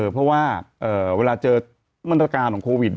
เพราะว่าเวลาเจอมาตรการของโควิด